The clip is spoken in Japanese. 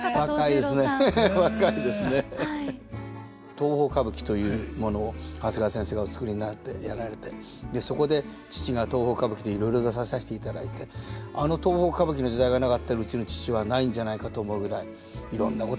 東宝歌舞伎というものを長谷川先生がお作りになってやられてそこで父が東宝歌舞伎でいろいろ出ささしていただいてあの東宝歌舞伎の時代がなかったらうちの父はないんじゃないかと思うぐらいいろんなこと